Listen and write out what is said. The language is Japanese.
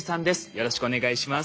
よろしくお願いします。